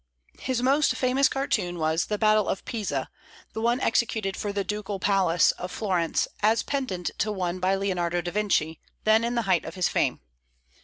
His most famous cartoon was the Battle of Pisa, the one executed for the ducal palace of Florence, as pendant to one by Leonardo da Vinci, then in the height of his fame.